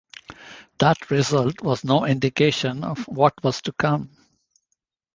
That result was no indication of what was to come.